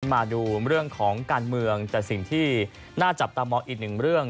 มาดูเรื่องของการเมืองแต่สิ่งที่น่าจับตามองอีกหนึ่งเรื่อง